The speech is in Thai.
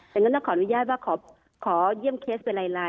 แต่งั้นเราขออนุญาตว่าขอเยี่ยมเคสไปลาย